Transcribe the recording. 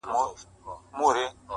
نور د عصمت کوڅو ته مه وروله!.